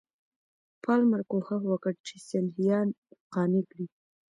پالمر کوښښ وکړ چې سیندهیا قانع کړي.